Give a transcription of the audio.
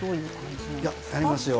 いややりますよ。